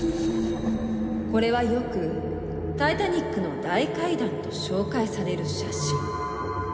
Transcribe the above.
これはよく「タイタニックの大階段」と紹介される写真。